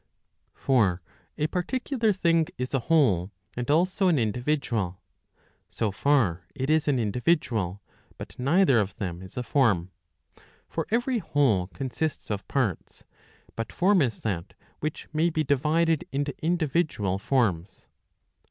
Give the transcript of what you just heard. For a particular' thing is a whole and also an individual, so far it is an individual, but neither of them is a form. For every whole consists of parts ; but form is that which may be divided into individual forms.